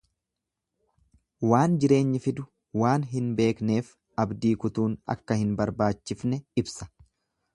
Waan jireenyi fidu waan hin beekamneef abdii kutuun akka hin barbaachifne ibsa.